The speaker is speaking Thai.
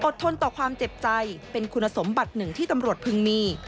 ทนต่อความเจ็บใจเป็นคุณสมบัติหนึ่งที่ตำรวจพึงมี